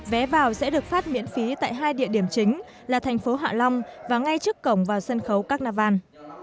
vé vào sẽ được phát miễn phí tại hai địa điểm chính là thành phố hạ long và ngay trước cổng vào sân khấu các nà văn